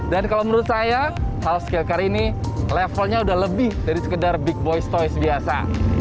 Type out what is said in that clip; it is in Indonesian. dan kalau menurut saya half scale car ini levelnya udah lebih dari sekedar big boy toy biasa